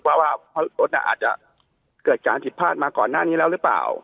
ว่ารถอาจจะเกิดการผิดพลาดมาก่อนหน้านี้แล้วหรือเปล่า